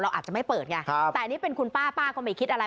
อาจจะไม่เปิดไงแต่อันนี้เป็นคุณป้าป้าก็ไม่คิดอะไร